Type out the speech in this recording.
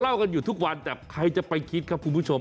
กันอยู่ทุกวันแต่ใครจะไปคิดครับคุณผู้ชม